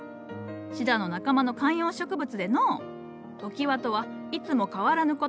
シダの仲間の観葉植物でのう「常盤」とはいつも変わらぬこと。